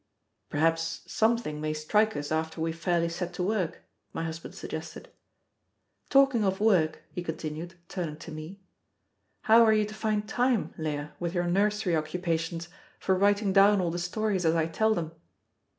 "Perhaps something may strike us after we have fairly set to work," my husband suggested. "Talking of work," he continued, turning to me, "how are you to find time, Leah, with your nursery occupations, for writing down all the stories as I tell them?"